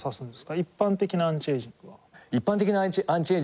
一般的なアンチエイジングは。